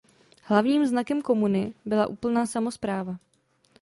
Hlavním znakem komuny byla úplná samospráva.